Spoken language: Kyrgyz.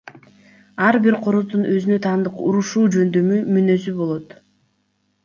Ар бир короздун өзүнө таандык урушуу жөндөмү, мүнөзү болот.